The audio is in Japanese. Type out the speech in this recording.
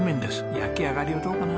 焼き上がりはどうかな？